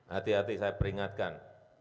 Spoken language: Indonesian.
hati hati saya peringatkan